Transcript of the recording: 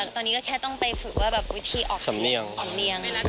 ตอนนี้ก็แค่ต้องไปฝึกว่าแบบวิธีออกสำเนียงสำเนียง